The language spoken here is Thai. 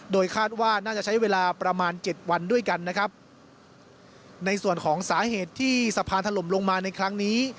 โดยคาดว่าน่าจะใช้เวลาประมาณเจ็ดวันด้วยกันนะครับในส่วนของสาเหตุที่สะพานถล่มลงมาในครั้งนี้